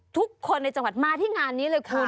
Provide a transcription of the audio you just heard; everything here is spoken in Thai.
ทุกคนในจังหวัดมาที่งานนี้เลยคุณ